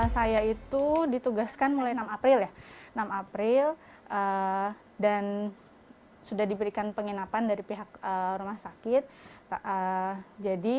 saya itu ditugaskan mulai enam april ya enam april dan sudah diberikan penginapan dari pihak rumah sakit jadi